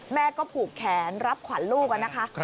แม่ก็ผูกแขนรับขวัญลูกนะคะ